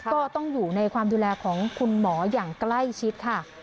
ก็ต้องอยู่ในความดูแลของคุณหมออย่างใกล้ชิดค่ะ